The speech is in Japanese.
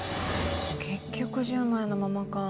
結局１０枚のままか。